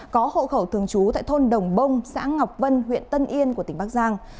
có hậu khẩu thường trú tại thôn đồng bông xã ngọc vân huyện tân yên tỉnh bắc giang